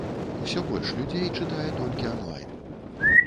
Усё больш людзей чытае толькі анлайн.